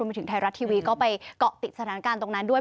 มาถึงไทยรัฐทีวีก็ไปเกาะติดสถานการณ์ตรงนั้นด้วย